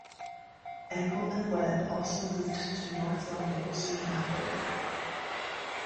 Engle and Webb also moved to North London soon afterward.